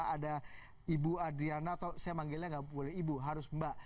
ada ibu adriana atau saya manggilnya nggak boleh ibu harus mbak